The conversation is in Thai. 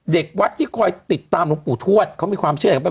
เด็กวัดที่คอยติดตามหลวงปู่ทวดเขามีความเชื่ออย่างไรบ้าง